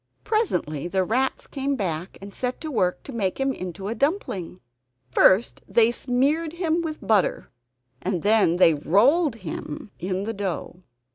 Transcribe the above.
Presently the rats came back and set to work to make him into a dumpling. First they smeared him with butter, and then they rolled him in the dough.